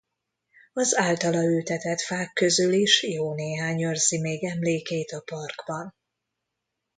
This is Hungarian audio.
Az általa ültetett fák közül is jó néhány őrzi még emlékét a parkban.